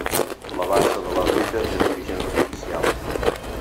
La bassa de l'Ermita és d'origen artificial.